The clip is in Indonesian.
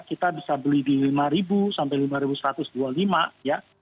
kita bisa beli di lima sampai rp lima satu ratus dua puluh lima ya